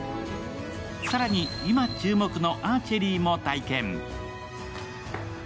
更に今注目のアーチェリーも体験。